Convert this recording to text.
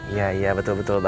iya iya betul betul